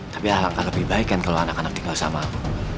tapi alangkah lebih baik kan kalau anak anak tinggal sama aku